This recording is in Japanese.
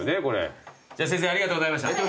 じゃあ先生ありがとうございました。